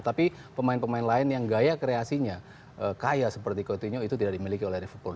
tapi pemain pemain lain yang gaya kreasinya kaya seperti coutinho itu tidak dimiliki oleh river